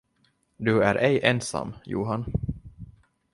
Du är ej ensam, Johan.